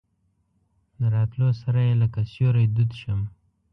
د راتلو سره یې لکه سیوری دود شم.